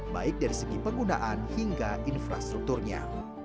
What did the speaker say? baik dari segi penggunaan hingga infrastrukturnya